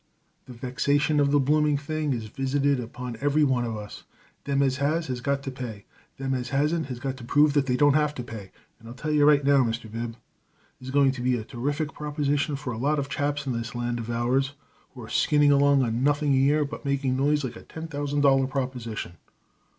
The vexation of the blooming thing is visited upon every one of us. Them as has has got to pay. Them as hasn't has got to prove that they don't have to pay, and I tell you right now, Mr. Bib, it is going to be a terrific proposition for a lot of chaps in this land of ours who are skinning along on nothing a year, but making a noise like a ten thousand dollar proposition."